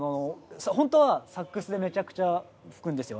本当はサックスでめちゃくちゃ吹くんですよ